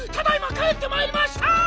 かえってまいりました！